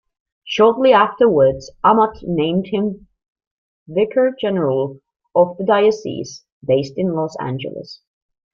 Shortly afterwards, Amat named him Vicar General of the diocese, based in Los Angeles.